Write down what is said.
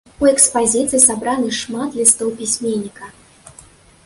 У экспазіцыі сабраны шмат лістоў пісьменніка.